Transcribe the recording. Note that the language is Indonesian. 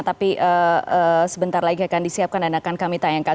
tapi sebentar lagi akan disiapkan dan akan kami tayangkan